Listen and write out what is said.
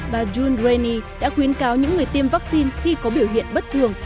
bà june rainey đã khuyến cáo những người tiêm vaccine khi có biểu hiện bất thường